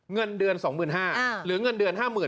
เงินเดือน๒๕๐๐บาทหรือเงินเดือน๕๐๐๐